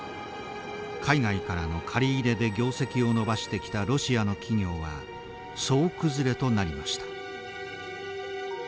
海外からの借り入れで業績を伸ばしてきたロシアの企業は総崩れとなりました。